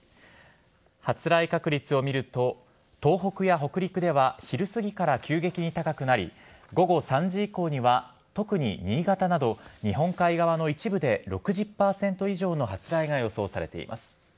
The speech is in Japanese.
発雷確率を見ると、東北や北陸では、昼過ぎから急激に高くなり、午後３時以降には、特に新潟など、日本海側の一部で６０％以上の発雷が予想されています。